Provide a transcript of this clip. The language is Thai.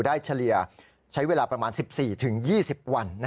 เฉลี่ยใช้เวลาประมาณ๑๔๒๐วัน